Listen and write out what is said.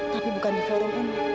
tapi bukan di forum